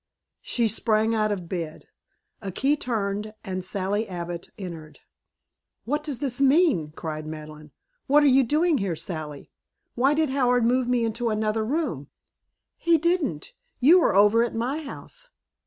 She sprang out of bed. A key turned and Sally Abbott entered. "What does this mean?" cried Madeleine. "What are you doing here, Sally? Why did Howard move me into another room?" "He didn't. You are over at my house.